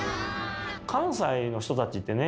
関西の人たちってね